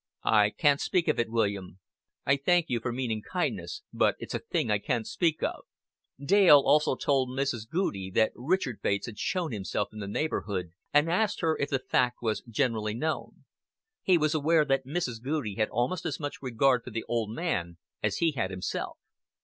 "I can't speak of it, William. I thank you for meaning kindness, but it's a thing I can't speak of." Dale also told Mrs. Goudie that Richard Bates had shown himself in the neighborhood, and asked her if the fact was generally known. He was aware that Mrs. Goudie had almost as much regard for the old man as he had himself.